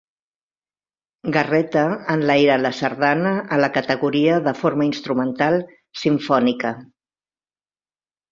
Garreta enlaira la sardana a la categoria de forma instrumental simfònica.